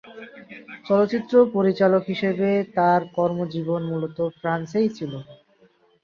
চলচ্চিত্র পরিচালক হিসেবে তার কর্মজীবন মূলত ফ্রান্সেই ছিল।